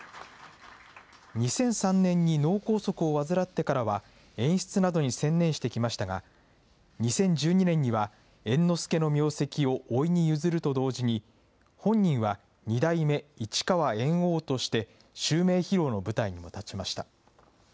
２００３年に脳梗塞を患ってからは、演出などに専念してきましたが、２０１２年には猿之助の名跡をおいにゆずると同時に本人は二代目市川猿翁として襲名披露の舞台にも立ちました。